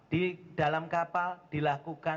di dalam kapal dilakukan